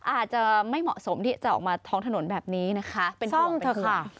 อาจจะไม่เหมาะสมที่จะออกมาท้องถนนแบบนี้นะคะ